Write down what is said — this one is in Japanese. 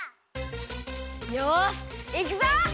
よしいくぞ！